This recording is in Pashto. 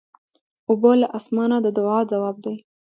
اوبه له اسمانه د دعا ځواب دی.